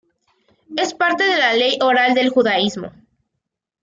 Es parte de la ley oral del judaísmo.